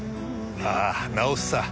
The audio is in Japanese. ああ治すさ。